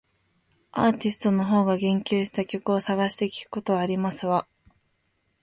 アーティストの方が言及した曲を探して聞くことはありますわ